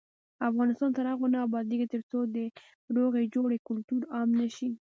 افغانستان تر هغو نه ابادیږي، ترڅو د روغې جوړې کلتور عام نشي.